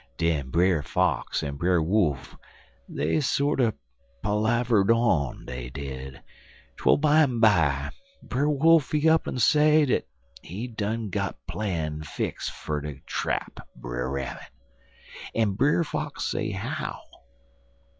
Den Brer Fox en Brer Wolf dey sorter palavered on, dey did, twel bimeby Brer Wolf he up'n say dat he done got plan fix fer ter trap Brer Rabbit. Den Brer Fox say how.